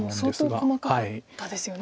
相当細かかったですよね。